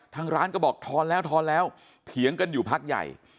ทางร้านก็บอกทอนแล้วทอนแล้วเถียงกันอยู่พักใหญ่